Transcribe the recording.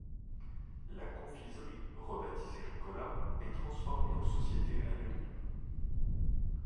La confiserie, rebaptisée Ricola, est transformée en société anonyme.